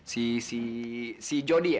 si si si jody ya